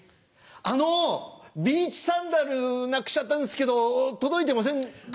あのビーチサンダルなくしちゃったんですけど届いてませんか？